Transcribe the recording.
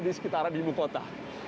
di sekitaran ibu kota